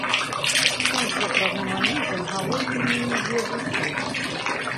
Тут жа пра гуманізм гаворкі не ідзе зусім.